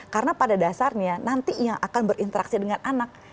karena pada dasarnya nanti yang akan berinteraksi dengan anak